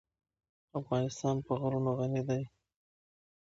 افغانستان په غرونه غني دی.